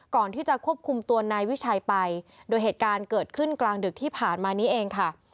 ก่อนที่จะควบคุมตัวนายวิชัยไปโดยเหตุการณ์เกิดขึ้นกลางดึกที่ผ่านมานี้เองค่ะ